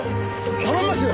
頼みますよ！